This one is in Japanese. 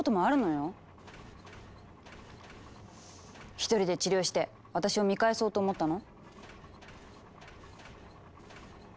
一人で治療して私を見返そうと思ったの？